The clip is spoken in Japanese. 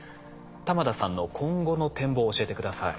玉田さんの今後の展望を教えて下さい。